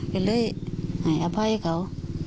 ก็เลยหายอภัยเขา